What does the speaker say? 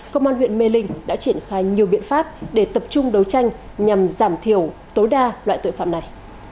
công an huyện mê linh đã triển khai nhiều biện pháp để tập trung đấu tranh nhằm giảm thiểu tối đa loại tội phạm này